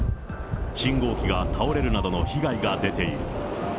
信号機が倒れるなどの被害が出ている。